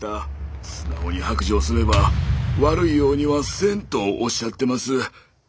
素直に白状すれば悪いようにはせんとおっしゃってます。